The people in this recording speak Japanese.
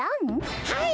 はい！